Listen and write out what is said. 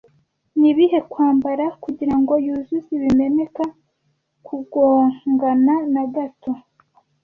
nibihe kwambara kugirango yuzuze bimeneka kugongana na gato